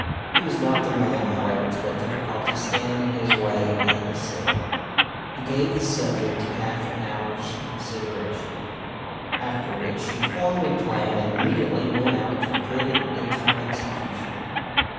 He was not the man, however, to let difficulties stand in his way unassailed. He gave the subject half an hour's consideration, after which he formed a plan and immediately went out to put it into execution.